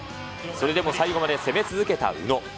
それでも最後まで攻め続けた宇野。